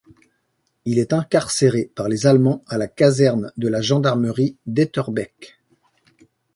Il est incarcéré par les Allemands à la caserne de la gendarmerie d'Etterbeek.